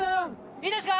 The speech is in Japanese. いいですか？